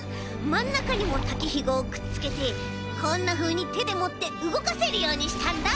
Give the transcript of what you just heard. まんなかにもたけひごをくっつけてこんなふうにてでもってうごかせるようにしたんだ。